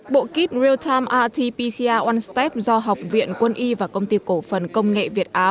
bộ kit real time rt pcr onstep do học viện quân y và công ty cổ phần công nghệ việt á